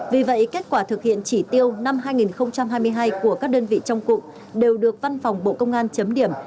vì vậy kết quả thực hiện chỉ tiêu năm hai nghìn hai mươi hai của các đơn vị trong cụm đều được văn phòng bộ công an chấm điểm